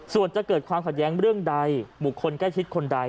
ส่วนจะเกิดความขัดแย้งเรื่องใดบุคคลใกล้ชิดคนใด